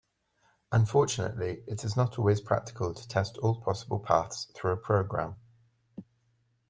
Unfortunately, it is not always practical to test all possible paths through a program.